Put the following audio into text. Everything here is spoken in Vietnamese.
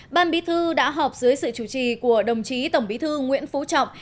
ban bí thư đã họp dưới sự chủ trì của đồng chí tổng bí thư nguyễn phú trọng